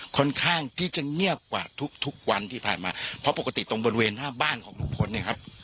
ค่อนข้างที่จะเงียบกว่าทุกทุกวันที่ผ่านมาเพราะปกติตรงบริเวณหน้าบ้านของลุงพลเนี่ยครับ